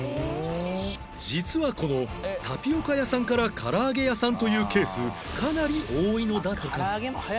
実はこのタピオカ屋さんからからあげ屋さんというケースかなり多いのだとか